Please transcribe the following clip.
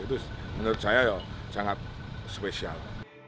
itu menurut saya sangat spesial